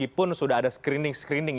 ada bangladesh dia melakukan peng sneaking